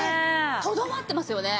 とどまってますよね。